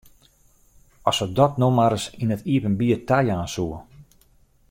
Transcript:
As se dat no mar ris yn it iepenbier tajaan soe!